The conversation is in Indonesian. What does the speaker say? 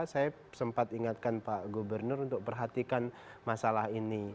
saya sempat ingatkan pak gubernur untuk perhatikan masalah ini